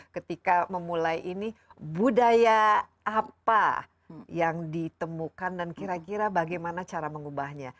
ketika memulai ini budaya apa yang ditemukan dan kira kira bagaimana cara mengubahnya